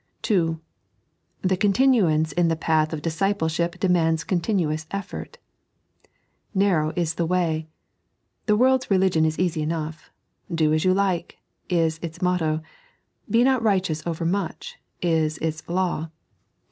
(2) The cotUmmmce in the path of dUmpiethip denumda amiimuwe effort. "Karrow is the way." The world's religion is easy enough. " Do as you like," is its motto. " Be not righteous over much," is its law.